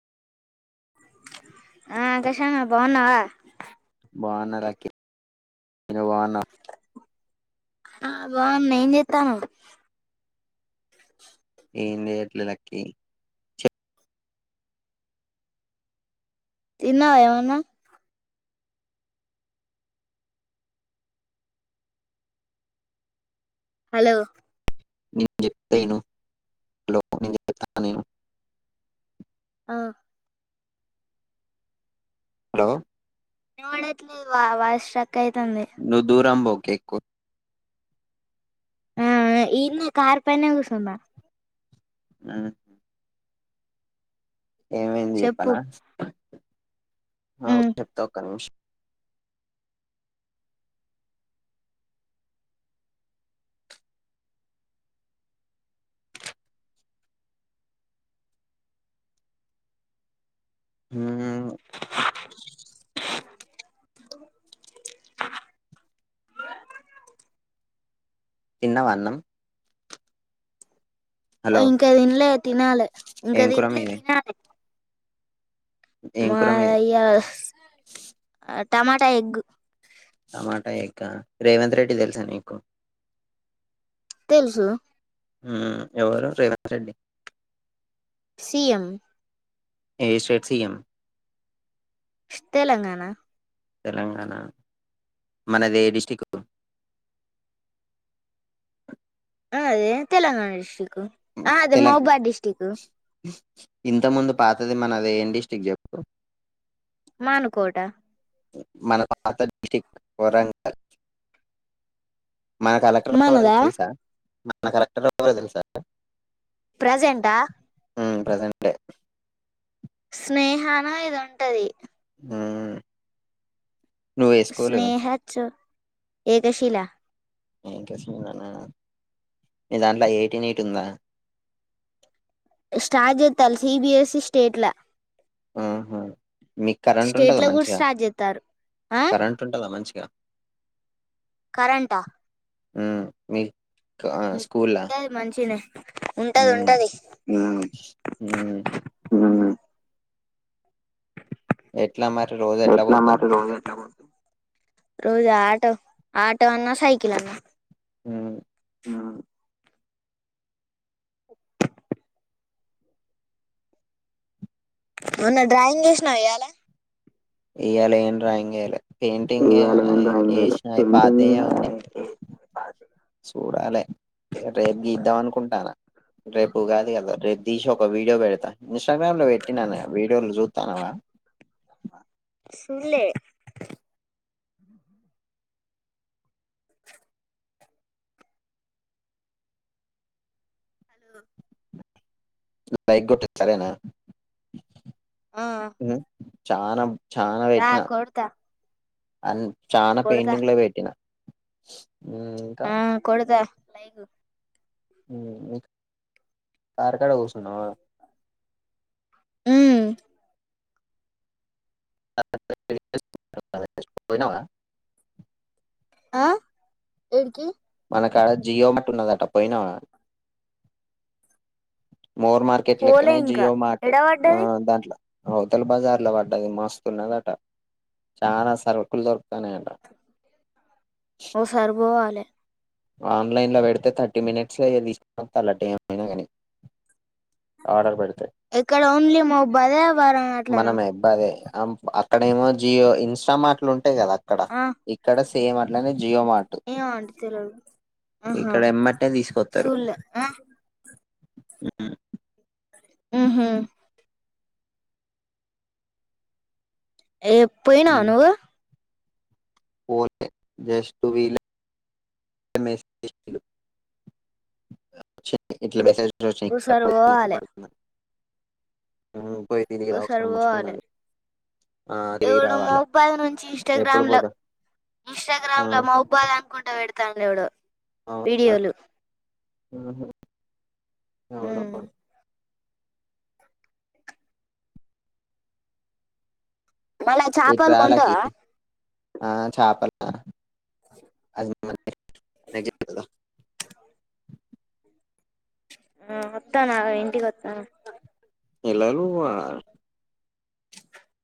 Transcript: ఆ కషానా బాగున్నావా బాగున్నా లక్కీ నువ్వు బాగున్నావు ఆ బాగున్నా ఎం చేస్తన్నావ్ ఏం చేయట్లే లక్కి తిన్నావా ఏవన్నా హలో నేను చెప్తా విను [unintelligible] ఆ హలో వినవాడట్లేవా వాయిస్ స్ట్రక్ అయితుంది నువ్ దూరం పో కేక్కు ఆ ఆ ఈన్నే కారు పైనే కూస్తున్న మ్మ్ ఏమైంది చెప్పు చెప్పనా ఆ ఉమ్ ఉండు చెప్తా ఒక్క నిమిషం ఉమ్మ్ తిన్నావా అన్నం హలో ఇంకా తిన్లే తినాలే ఇంకా ఏం కూర తిన్లే మీది తినాలే ఏం కూర మాదా మీది ఇయ్యాల టమాటా ఎగ్గు ఇంకా రేవంత్ రెడ్డి తెలుసా నీకు తెలుసు మ్మ్ ఎవరు రేవంత్ రెడ్డి సీఎం ఏ స్ట్రేట్ సిఎం తెలంగాణ తెలంగాణ మనది ఏ డిస్టిక్ [inaudible] అదే తెలంగాణ డిస్టక్ ఆ అదే మౌబాద్ డిస్టక్ ఇంతకు ముందు పాతది మనది ఎం డిస్టిక్ చెప్పు మానుకోట మన పాత డిస్టిక్ వరంగల్ మన కలెక్టర్ ఎవరో మనదా తెలుసా మన కలెక్టర్ ఎవరో తెలుసా ప్రెసెంట్ ఆ మ్మ్ ప్రెజెంటే స్నేహానో ఏదో ఉంటది ఉమ్మ్ స్నేహచు ఏకశిలా ఇంట్రెస్ంగ్ందన్న మీ దాంట్లో ఐఐటీ నీట్ ఉందా [inaudible] స్టాట్ చేస్తారు సిబిఎస్ఈ స్టేట్ లా ఆహ మీకు కరెంట్ స్టేట్ ఉంటందా లో కూడా మంచిగా స్టార్ట్ చేస్తారు ఆ కరెంట్ ఉంటందా మంచిగా గా కరెంట్ ఆ ఉమ్మ్ మి ఇంకా స్కూల్లా ఉంటది మంచినే ఉంటది మ్మ్ ఉంటది మ్మ్ [inaudible] ఉమ్మ్ ఎట్లా మరి రోజు ఎట్లా పోతావ్ మరి రోజు ఎట్లా పోతావ్ రోజా ఆటో ఆటో అన్నా సైకిల్ అన్నా ఉమ్మా ఉం అవునా డ్రాయింగ్ జేశ్నావియాల ఇయ్యాల ఏం డ్రాయింగ్ ఎయ్లే పెయింటింగ్ ఎ ఇయ్యాల ఏం డ్రాయింగ్ ఏయలే ఏశ్న అయి పెయింటింగ్ పాతయె ఉన్నయి చూడాలె రేపు గీద్దాం అనుకుంటాను రేపు ఉగాది గదా రేప్ దీసి ఒక వీడియో బడత ఇన్స్టాగ్రామ్ లో బెట్టిన నెన్ వీడియోలు జూత్తాన్నవా [inaudible] సుడ్లే హలో లైక్ గొట్టు సరేనా ఆ మ్ చానం చానా దా వెట్టిన కొడతా అ చానా కొడతా పెయింటింగ్లే పెట్టినా మ్ ఇంకా లైక్ మ్ కార్ కాడ గూసున్నవా మ్ [unintelligible] పొయినవా ఆ ఏడికి మన కాడ జియో మట్ ఉన్నదట పోయినావ మోర్ మార్కెట్ పోలే లెక్కనే ఇంకా జియో మార్ట్ ఆ ఎడబడ్డది దాంట్ల అవ్తల బజార్ లో వడ్డది మస్తున్నదట చాన సరుకుల్ దొర్ ఓ సారి బోవాలె ఆన్లైన్లో పెడితే థర్టీ మినిట్స్లో తీసుకొస్తాలట ఏమైనా గనీ ఆడర్ బెడితె ఇక్కడ ఓన్లీ మొబ్ అదే మనమే బేదె అం అక్కడేమో జియో ఇన్స్టా మాట్లు ఉన్ టయ్ గద అక్కడ ఇక్కడ సేమ్ అట్లనే జియో మార్ట్ ఏవొ అండి తెల్వదు ఆహా ఇక్కడ ఎమ్మటే తీసుకొస్తారు సూల్ల్ లే ఉమ్ ఊహు ఏ పోయినవా ఉమ్ నువ్వూ పోలే జష్ఠ వీల్లే మెసేజ్ జేశిల్లు ఒచ్చింది ఇట్ల ఓసారి పోవాలే [unintelligible] పోయి తిరిగి రా ఒకసారి మంచిగున్నది ఎవడొ మొబైల్ నుంచి ఎప్పుడు ఇన్స్టాగ్రామ్ల పోదాం ఇన్స్టాగ్రామ్ లో మొబాయ్ల్ అనుకుంటా పెడతాండు ఎవడొ వీడియోలు ఎవలు మ్ బలె ఇటు చాపలు కొంటవ రాలకి ఆ చాపలా అవి [unintelligible] ఆ ఒత్తాన ఆగు ఇంటికి ఒత్తాన ఎలాగో ఆ